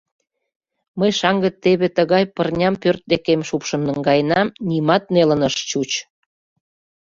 Мый шаҥге теве тыгай пырням пӧрт декем шупшын наҥгаенам — нимат нелын ыш чуч!